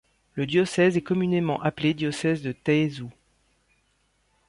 Le diocèse est communément appelé diocèse de Taizhou.